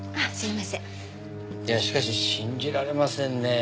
いやしかし信じられませんね。